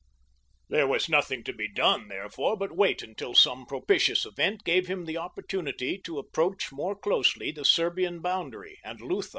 There was nothing to be done, therefore, but wait until some propitious event gave him the opportunity to approach more closely the Serbian boundary and Lutha.